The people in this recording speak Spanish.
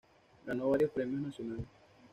Ganó varios premios nacionales.